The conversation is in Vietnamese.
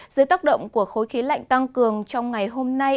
dưới tác động của khối khí lạnh tăng cường trong ngày hôm nay